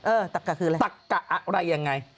ตักกะคืออะไรตักกะอะไรยังไง